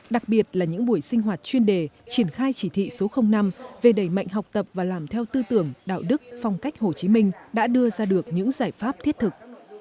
đặc biệt là những buổi sinh hoạt chuyên đề triển khai chỉ thị số năm về đầy mạnh học tập và làm theo tư tưởng đạo đức phong cách hồ chí minh đã đưa ra được những giải pháp thiết thực